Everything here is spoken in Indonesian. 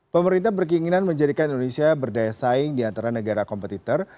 pemerintah berkinginan menjadikan indonesia berdaya saing di antara negara kompetitor